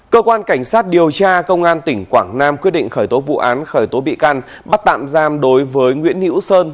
cơ quan cảnh sát điều tra công an tỉnh quảng nam quyết định khởi tố vụ án khởi tố bị can bắt tạm giam đối với nguyễn hữu sơn